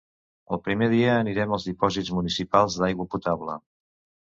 El primer dia anirem als dipòsits municipals d’aigua potable.